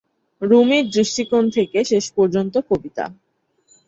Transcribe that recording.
রুমির দৃষ্টিকোণ থেকে শেষ পর্যন্ত কবিতা।